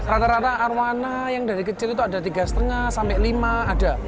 rata rata arowana yang dari kecil itu ada tiga lima sampai lima ada